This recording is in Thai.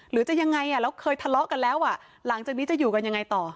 หรือจะยังไงแล้วเคยทะเลาะกันแล้วหลังจากนี้จะอยู่กันยังไงต่อ